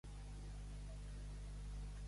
Ser com un beduí.